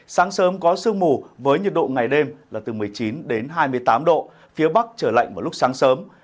sáng sớm có sương mù với nhiệt độ ngày đêm là từ một mươi chín đến hai mươi tám độ phía bắc trở lạnh vào lúc sáng sớm